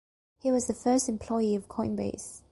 He was the first employee of Coinbase.